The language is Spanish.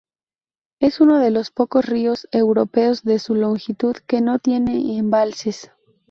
Es uno de los pocos ríos europeos de su longitud que no tiene embalses.